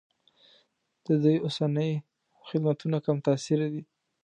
د دوی اوسني خدمتونه کم تاثیره دي.